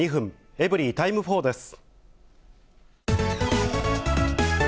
エブリィタイム４です。